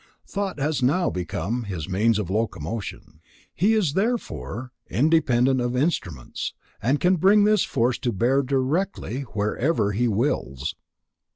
Thought has now become his means of locomotion. He is, therefore, independent of instruments, and can bring his force to bear directly, wherever he wills.